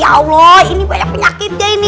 ya allah ini banyak penyakitnya ini